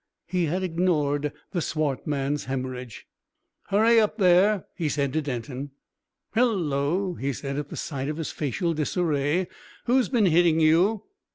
He had ignored the swart man's hæmorrhage. "Hurry up there!" he said to Denton. "Hello!" he said, at the sight of his facial disarray. "Who's been hitting you?"